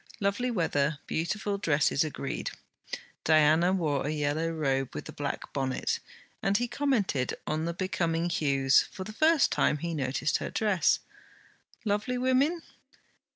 Lovely weather, beautiful dresses: agreed. Diana wore a yellow robe with a black bonnet, and he commented on the becoming hues; for the first time, he noticed her dress! Lovely women?